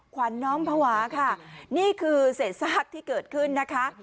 ขวัญน้อมภาวะค่ะนี่คือเศษซากที่เกิดขึ้นนะคะ